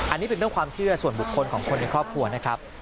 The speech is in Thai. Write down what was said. อันนี้เป็นเรื่องความเชื่อส่วนบุคคลของคนในครอบครัวนะครับ